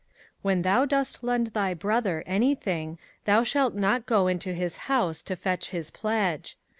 05:024:010 When thou dost lend thy brother any thing, thou shalt not go into his house to fetch his pledge.